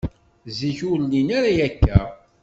Zik, ur llin ara akka.